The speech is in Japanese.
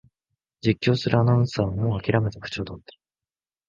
実況するアナウンサーはもうあきらめた口調だった